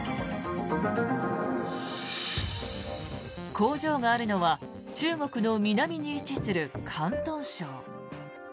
工場があるのは中国の南に位置する広東省。